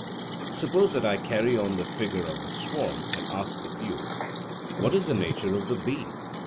Suppose that I carry on the figure of the swarm, and ask of you, What is the nature of the bee?